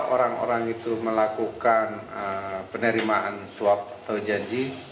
orang orang itu melakukan penerimaan suap atau janji